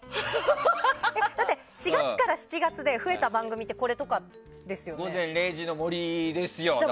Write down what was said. だって４月から７月で増えた番組ってこれとかですよね。